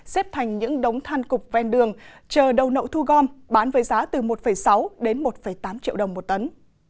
xếp thành những đống than cục ven đường chờ đầu nậu thu gom bán với giá từ một sáu đến một tám triệu đồng một tấn